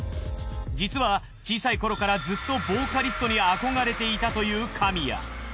実は小さい頃からずっとボーカリストに憧れていたという神谷。